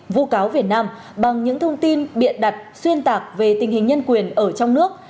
vô cáo việt nam bằng những thông tin biện đặt xuyên tạc về tình hình nhân quyền ở trong nước